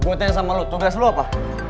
gue tanya sama lu tugas lu apa